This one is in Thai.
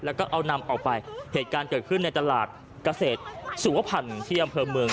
แล้วก็เอานำออกไปเหตุการณ์เกิดขึ้นในตลาดเกษตรสุวพันธ์ที่อำเภอเมือง